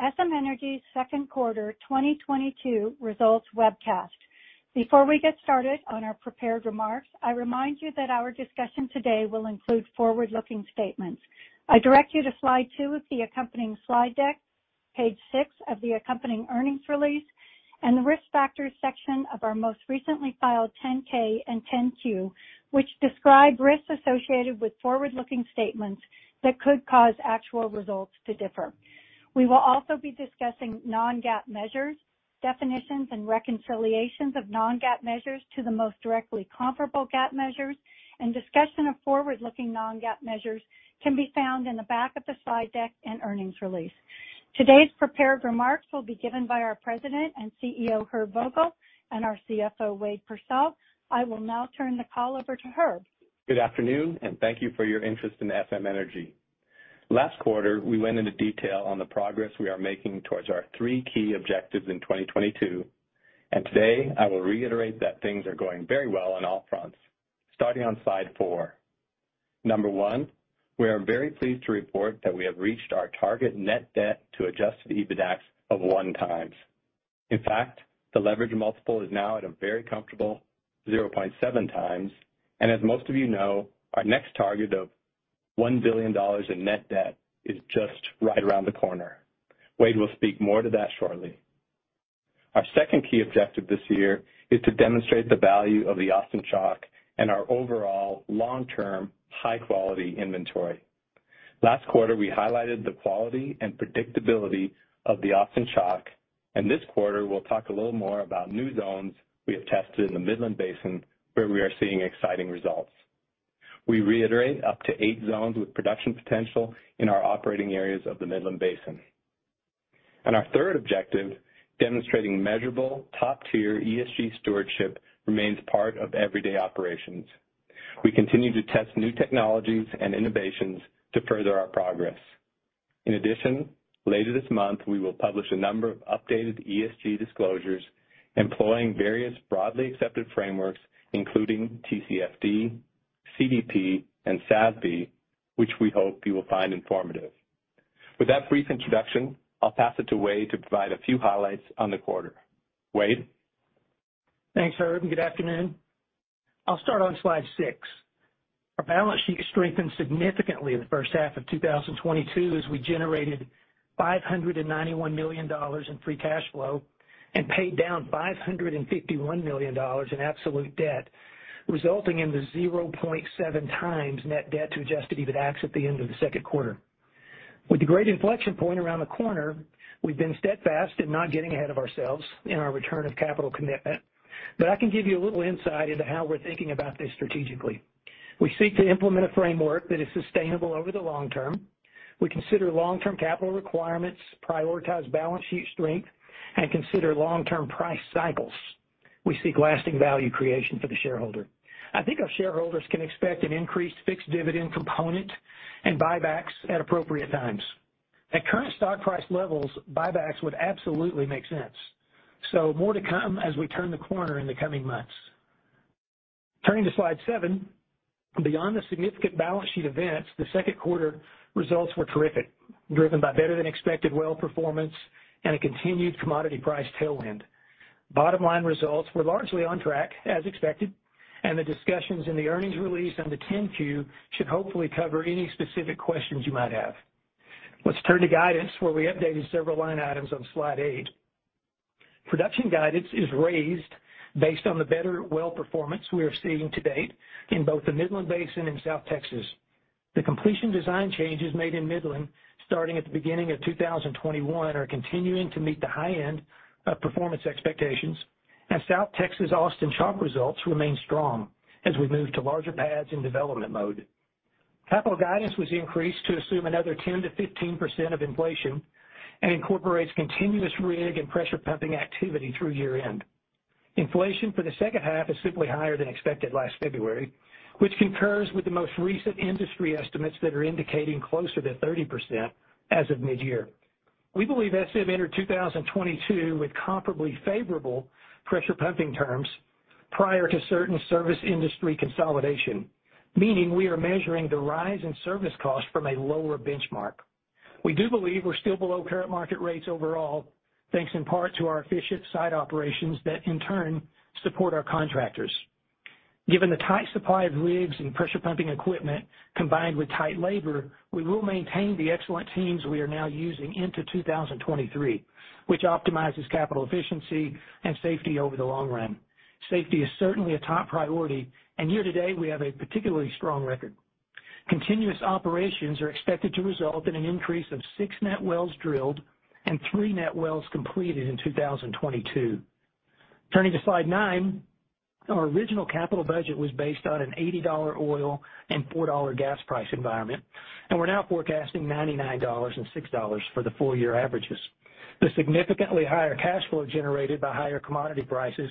SM Energy's second quarter 2022 results webcast. Before we get started on our prepared remarks, I remind you that our discussion today will include forward-looking statements. I direct you to slide two of the accompanying slide deck, page six of the accompanying earnings release, and the Risk Factors section of our most recently filed 10-K and 10-Q, which describe risks associated with forward-looking statements that could cause actual results to differ. We will also be discussing Non-GAAP measures, definitions and reconciliations of Non-GAAP measures to the most directly comparable GAAP measures and discussion of forward-looking Non-GAAP measures can be found in the back of the slide deck and earnings release. Today's prepared remarks will be given by our President and Chief Executive Officer, Herb Vogel, and our Chief Financial Officer, Wade Pursell. I will now turn the call over to Herb. Good afternoon, and thank you for your interest in SM Energy. Last quarter, we went into detail on the progress we are making towards our three key objectives in 2022, and today I will reiterate that things are going very well on all fronts. Starting on slide four. Number one, we are very pleased to report that we have reached our target net debt to adjusted EBITDA of 1x. In fact, the leverage multiple is now at a very comfortable 0.7x, and as most of you know, our next target of $1 billion in net debt is just right around the corner. Wade will speak more to that shortly. Our second key objective this year is to demonstrate the value of the Austin Chalk and our overall long-term high-quality inventory. Last quarter, we highlighted the quality and predictability of the Austin Chalk, and this quarter, we'll talk a little more about new zones we have tested in the Midland Basin, where we are seeing exciting results. We reiterate up to eight zones with production potential in our operating areas of the Midland Basin. Our third objective, demonstrating measurable top-tier ESG stewardship, remains part of everyday operations. We continue to test new technologies and innovations to further our progress. In addition, later this month, we will publish a number of updated ESG disclosures employing various broadly accepted frameworks, including TCFD, CDP, and SASB, which we hope you will find informative. With that brief introduction, I'll pass it to Wade to provide a few highlights on the quarter. Wade? Thanks, Herb, and good afternoon. I'll start on slide six. Our balance sheet strengthened significantly in the first half of 2022 as we generated $591 million in free cash flow and paid down $551 million in absolute debt, resulting in the 0.7x net debt to adjusted EBITDA at the end of the second quarter. With the great inflection point around the corner, we've been steadfast in not getting ahead of ourselves in our return of capital commitment, but I can give you a little insight into how we're thinking about this strategically. We seek to implement a framework that is sustainable over the long term. We consider long-term capital requirements, prioritize balance sheet strength, and consider long-term price cycles. We seek lasting value creation for the shareholder. I think our shareholders can expect an increased fixed dividend component and buybacks at appropriate times. At current stock price levels, buybacks would absolutely make sense. More to come as we turn the corner in the coming months. Turning to slide seven. Beyond the significant balance sheet events, the second quarter results were terrific, driven by better than expected well performance and a continued commodity price tailwind. Bottom line results were largely on track, as expected, and the discussions in the earnings release and the 10-Q should hopefully cover any specific questions you might have. Let's turn to guidance, where we updated several line items on slide 8. Production guidance is raised based on the better well performance we are seeing to date in both the Midland Basin and South Texas. The completion design changes made in Midland starting at the beginning of 2021 are continuing to meet the high end of performance expectations, and South Texas Austin Chalk results remain strong as we move to larger pads in development mode. Capital guidance was increased to assume another 10%-15% of inflation and incorporates continuous re-rig and pressure pumping activity through year-end. Inflation for the second half is simply higher than expected last February, which concurs with the most recent industry estimates that are indicating closer to 30% as of mid-year. We believe that's similar to 2022 with comparably favorable pressure pumping terms prior to certain service industry consolidation, meaning we are measuring the rise in service costs from a lower benchmark. We do believe we're still below current market rates overall, thanks in part to our efficient site operations that in turn support our contractors. Given the tight supply of rigs and pressure pumping equipment, combined with tight labor, we will maintain the excellent teams we are now using into 2023, which optimizes capital efficiency and safety over the long run. Safety is certainly a top priority, and year to date we have a particularly strong record. Continuous operations are expected to result in an increase of 6 net wells drilled and three net wells completed in 2022. Turning to slide nine. Our original capital budget was based on an $80 oil and $4 gas price environment, and we're now forecasting $99 and $6 for the full year averages. The significantly higher cash flow generated by higher commodity prices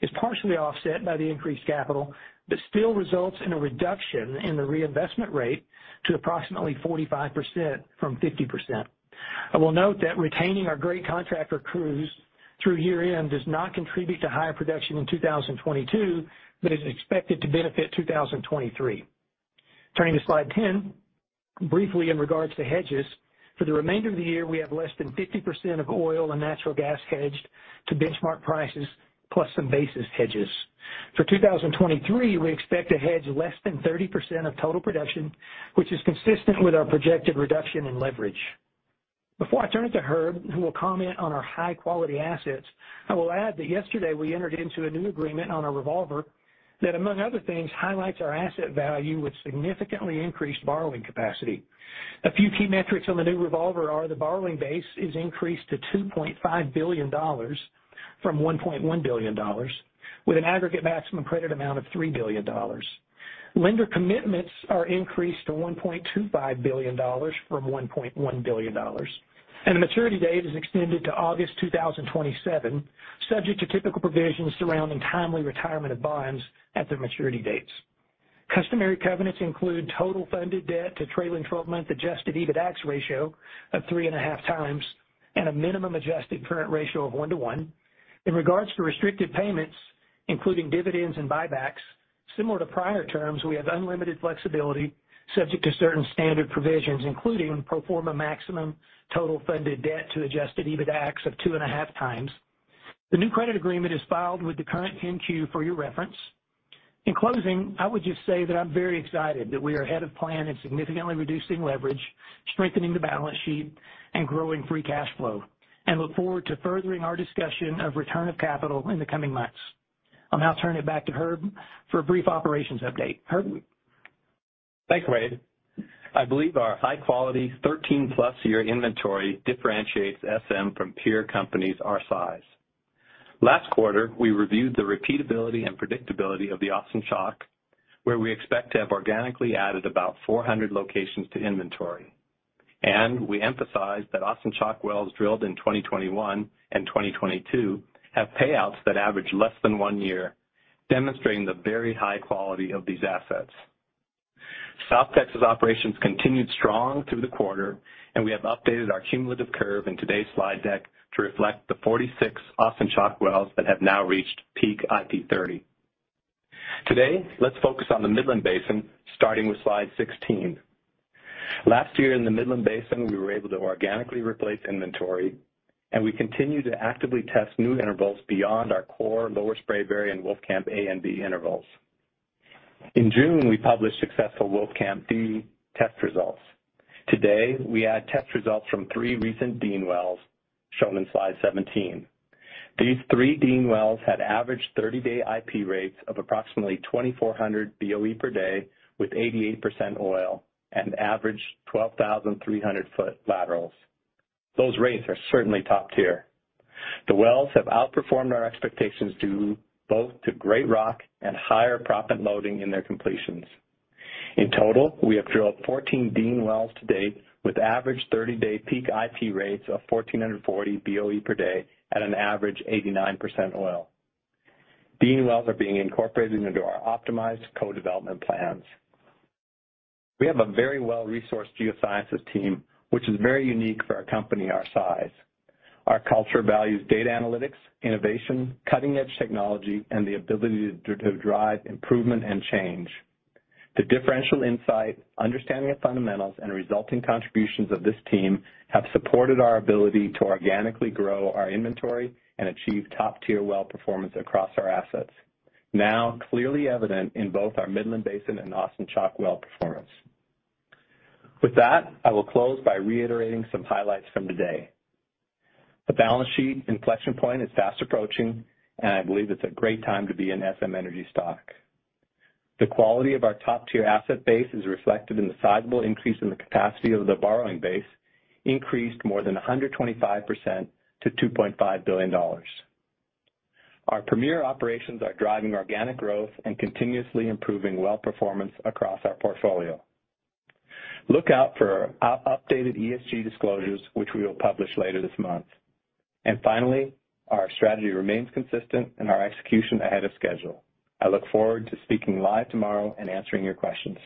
is partially offset by the increased capital, but still results in a reduction in the reinvestment rate to approximately 45% from 50%. I will note that retaining our great contractor crews through year-end does not contribute to higher production in 2022, but is expected to benefit 2023. Turning to Slide 10. Briefly in regards to hedges, for the remainder of the year, we have less than 50% of oil and natural gas hedged to benchmark prices plus some basis hedges. For 2023, we expect to hedge less than 30% of total production, which is consistent with our projected reduction in leverage. Before I turn it to Herb, who will comment on our high-quality assets, I will add that yesterday we entered into a new agreement on a revolver that, among other things, highlights our asset value with significantly increased borrowing capacity. A few key metrics on the new revolver are the borrowing base is increased to $2.5 billion from $1.1 billion with an aggregate maximum credit amount of $3 billion. Lender commitments are increased to $1.25 billion from $1.1 billion. The maturity date is extended to August 2027, subject to typical provisions surrounding timely retirement of bonds at their maturity dates. Customary covenants include total funded debt to trailing twelve-month adjusted EBITDAX ratio of 3.5x and a minimum adjusted current ratio of 1:1. In regards to restricted payments, including dividends and buybacks, similar to prior terms, we have unlimited flexibility subject to certain standard provisions, including pro forma maximum total funded debt to adjusted EBITDAX of 2.5x. The new credit agreement is filed with the current 10-Q for your reference. In closing, I would just say that I'm very excited that we are ahead of plan in significantly reducing leverage, strengthening the balance sheet, and growing free cash flow, and look forward to furthering our discussion of return of capital in the coming months. I'll now turn it back to Herb for a brief operations update. Herb? Thanks, Wade. I believe our high-quality 13+ year inventory differentiates SM from peer companies our size. Last quarter, we reviewed the repeatability and predictability of the Austin Chalk, where we expect to have organically added about 400 locations to inventory. We emphasized that Austin Chalk wells drilled in 2021 and 2022 have payouts that average less than one year, demonstrating the very high quality of these assets. South Texas operations continued strong through the quarter, and we have updated our cumulative curve in today's slide deck to reflect the 46 Austin Chalk wells that have now reached peak IP30. Today, let's focus on the Midland Basin, starting with Slide 16. Last year in the Midland Basin, we were able to organically replace inventory, and we continue to actively test new intervals beyond our core Lower Spraberry and Wolfcamp A and B intervals. In June, we published successful Wolfcamp D test results. Today, we add test results from three recent Dean wells, shown in slide 17. These three Dean wells had average 30-day IP rates of approximately 2,400 BOE per day with 88% oil and average 12,300-foot laterals. Those rates are certainly top tier. The wells have outperformed our expectations due both to great rock and higher proppant loading in their completions. In total, we have drilled 14 Dean wells to date with average 30-day peak IP rates of 1,440 BOE per day at an average 89% oil. Dean wells are being incorporated into our optimized co-development plans. We have a very well-resourced geosciences team, which is very unique for a company our size. Our culture values data analytics, innovation, cutting-edge technology, and the ability to drive improvement and change. The differential insight, understanding of fundamentals, and resulting contributions of this team have supported our ability to organically grow our inventory and achieve top-tier well performance across our assets, now clearly evident in both our Midland Basin and Austin Chalk well performance. With that, I will close by reiterating some highlights from today. The balance sheet inflection point is fast approaching, and I believe it's a great time to be in SM Energy stock. The quality of our top-tier asset base is reflected in the sizable increase in the capacity of the borrowing base, increased more than 125% to $2.5 billion. Our premier operations are driving organic growth and continuously improving well performance across our portfolio. Look out for our updated ESG disclosures, which we will publish later this month. Finally, our strategy remains consistent and our execution ahead of schedule. I look forward to speaking live tomorrow and answering your questions.